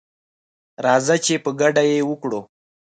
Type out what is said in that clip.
راځه چي په ګډه یې وکړو